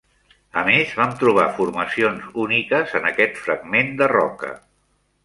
A més, vam trobar formacions úniques en aquest fragment de roca.